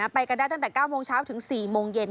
ไปกันได้ตั้งแต่๙โมงเช้าถึง๔โมงเย็น